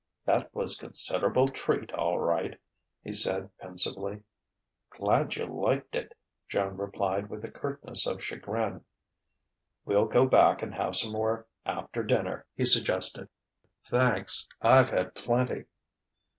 "That was considerable treat, all right," he said pensively. "Glad you liked it," Joan replied with the curtness of chagrin. "We'll go back and have some more after dinner," he suggested. "Thanks I've had plenty."